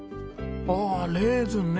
ああレーズンね。